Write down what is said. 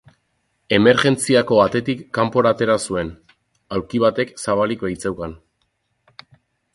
Emergentziako atetik kanpora atera zuen, aulki batek zabalik baitzeukan.